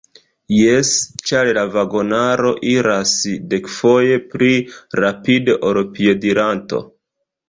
Jes, ĉar la vagonaro iras dekfoje pli rapide ol piediranto.